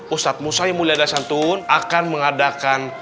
ustadz musayyid mulyadah santun akan mengadakan